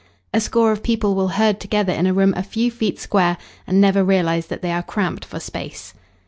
A score of people will herd together in a room a few feet square, and never realise that they are cramped for space.